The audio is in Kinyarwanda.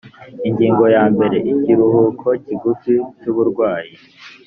ingingo yambere ikiruhuko kigufi cy uburwayi